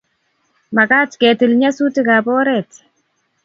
Makat ketil nyasutik ab oret